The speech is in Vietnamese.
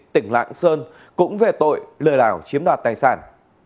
tỉnh lạng sơn cũng về tội lừa đảo chiếm đoạt tài sản